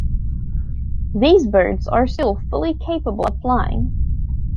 These birds are still fully capable of flying.